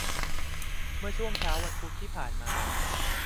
เมื่อช่วงเช้าวันพุธที่ผ่านมา